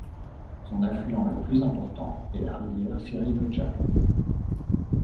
Son affluent le plus important est la rivière Serioja.